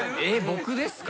僕ですか？